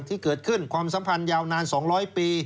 ที่เกิดขึ้นความสัมพันธ์ยาวนาน๒๐๐ปี